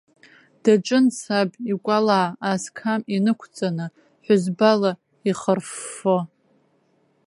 Даҿын саб, икәалаа асқам инықәҵаны, ҳәызбала ихырффо.